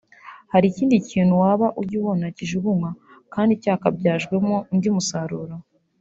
hari ikindi kintu waba ujya ubona kijugunywa kandi cyakabyajwemo undi umusaruro